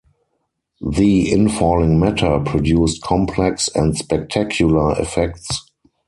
The infalling matter produced complex and spectacular effects.